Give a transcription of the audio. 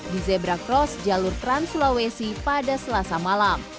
di zebra cross jalur trans sulawesi pada selasa malam